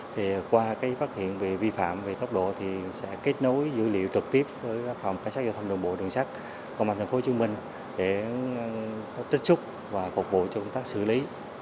thì qua phát hiện về vi phạm về tốc độ thì sẽ kết nối dữ liệu trực tiếp với phòng cảnh sát giao thông đồng bộ đường sát của tp hcm để có trích súc và phục vụ cho công tác xử lý